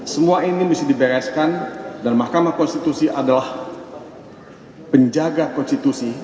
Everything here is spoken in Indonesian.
semua ini mesti dibereskan dan mahkamah konstitusi adalah penjaga konstitusi